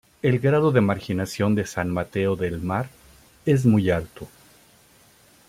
El grado de marginación de San Mateo del Mar es Muy alto.